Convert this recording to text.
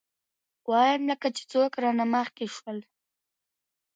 ويم لکه چې څوک رانه مخکې شول.